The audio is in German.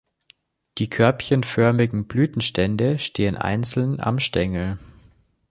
Die körbchenförmigen Blütenstände stehen einzeln am Stängel.